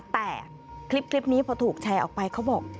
แต่คลิปนี้พอถูกแชร์ออกไปเขาบอก